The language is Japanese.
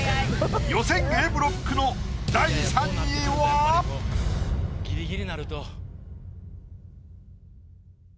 予選Ａブロックのギリギリなると。